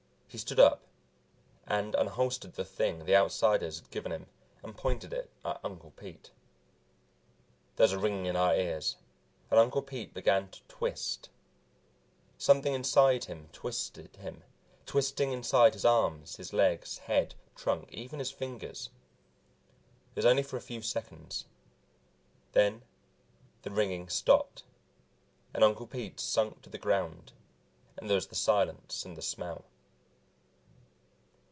He stood up and unholstered the thing the Outsiders had given him and pointed it at Uncle Pete. There was a ringing in our ears and Uncle Pete began to twist. Something inside him twisted him, twisting inside his arms, his legs, head, trunk, even his fingers. It was only for a few seconds. Then the ringing stopped, and Uncle Pete sunk to the ground, and there was the silence and the smell.